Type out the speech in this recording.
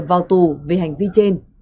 vào tù vì hành vi trên